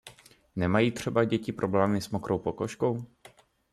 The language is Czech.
Nemají třeba děti problémy s mokrou pokožkou?